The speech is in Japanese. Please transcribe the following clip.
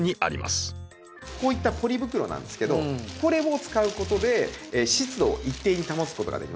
こういったポリ袋なんですけどこれを使うことで湿度を一定に保つことができます。